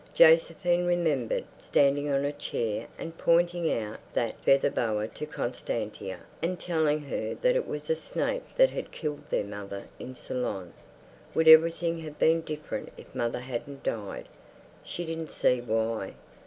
Josephine remembered standing on a chair and pointing out that feather boa to Constantia and telling her that it was a snake that had killed their mother in Ceylon.... Would everything have been different if mother hadn't died? She didn't see why.